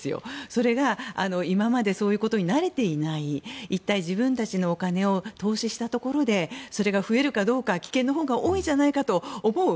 それが今までそういうことに慣れていない一体自分たちのお金を投資したところでそれが増えるかどうか危険のほうが多いんじゃないかと思う